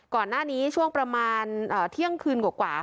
ก่อนหน้านี้ช่วงประมาณเที่ยงคืนกว่า